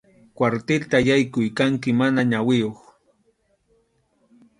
Kwartilta yaykuq kanki mana ñawiyuq.